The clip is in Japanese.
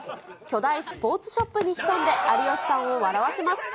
巨大スポーツショップに潜んで、有吉さんを笑わせます。